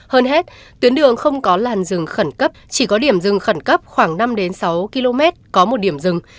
hơn hết tuyến đường không có làn rừng khẩn cấp chỉ có điểm rừng khẩn cấp khoảng năm sáu km có một điểm rừng